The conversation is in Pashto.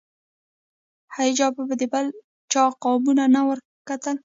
هیچا به د بل چا قابونو ته نه ورکتل.